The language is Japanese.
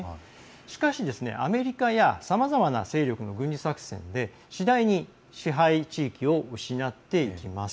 しかし、アメリカやさまざまな勢力の軍事作戦で、次第に支配地域を失っていきます。